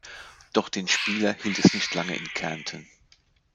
Doch den Spieler hielt es nicht lange in Kärnten.